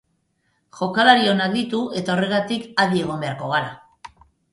Jokalari onak ditu, eta horregatik adi egon beharko gara.